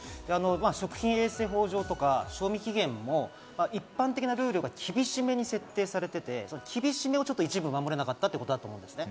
食品衛生法上とか、賞味期限も一般的なルールが厳しめに設定されていて、厳しめを一部守れなかったということだと思うんですね。